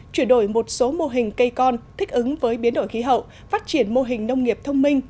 chuyển đổi một số mô hình cây con thích ứng với biến đổi khí hậu phát triển mô hình nông nghiệp thông minh